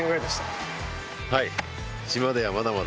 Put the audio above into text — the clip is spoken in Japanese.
はい。